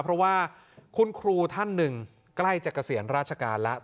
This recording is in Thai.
เพราะว่าคุณครูท่านหนึ่งใกล้จะเกษียณราชการแล้ว